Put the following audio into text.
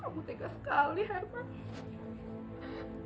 kamu tegas sekali herman